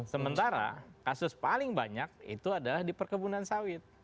sementara kasus paling banyak itu adalah di perkebunan sawit